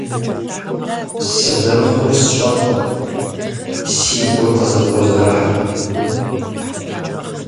Сызэрыхъур сщӀэркъым, си гур къызэфӀозэрыхь.